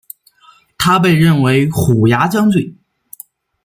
他被任为虎牙将军。